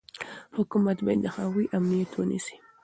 حکومت باید د هغوی امنیت ونیسي.